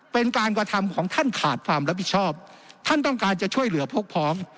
เป็นการกระทำของท่านขาดความรับผิดชอบท่านต้องการจะช่วยเหลือพวกพ้อง